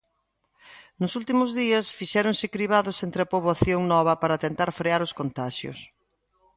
Nos últimos días fixéronse cribados entre a poboación nova para tentar frear os contaxios.